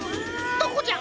どこじゃ？